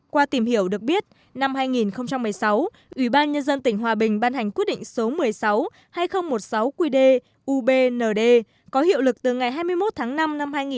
qua tìm hiểu được biết năm hai nghìn một mươi sáu ủy ban nhân dân tỉnh hòa bình ban hành quyết định số một mươi sáu hai nghìn một mươi sáu qd ubnd có hiệu lực từ ngày hai mươi một tháng năm năm hai nghìn một mươi chín